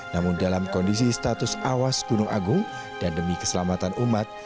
namun dalam kondisi status awas gunung agung dan demi keselamatan umat